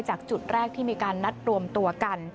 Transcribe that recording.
จากจุดแรกที่มีการนัดรวมตัวกัน